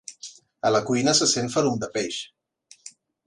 A la cuina se sent ferum de peix.